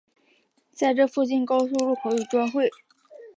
在这附近高速公路与交汇。